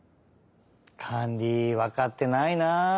カンリわかってないな。